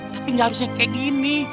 tapi nggak harusnya kayak gini